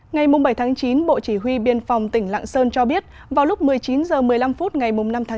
ngày bảy chín bộ chỉ huy biên phòng tỉnh lạng sơn cho biết vào lúc một mươi chín h một mươi năm phút ngày năm tháng chín